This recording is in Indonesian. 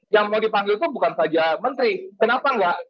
yang mau dipanggil itu bukan saja menteri kenapa enggak